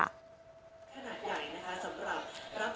ขณะใหญ่นะคะสำหรับรับทรีย์